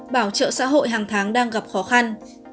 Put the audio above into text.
bảo trợ xã hội hàng tháng đang gặp khó khăn